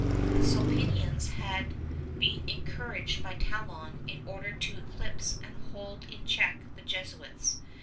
The Sulpicians had been encouraged by Talon in order to eclipse and hold in check the Jesuits.